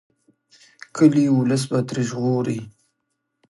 کلي ولس به ترې ژغوري.